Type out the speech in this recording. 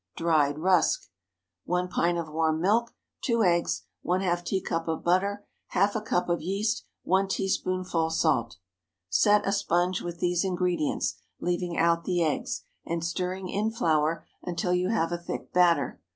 DRIED RUSK. ✠ 1 pint of warm milk. 2 eggs. ½ teacup of butter. Half a cup of yeast. 1 teaspoonful salt. Set a sponge with these ingredients, leaving out the eggs, and stirring in flour until you have a thick batter.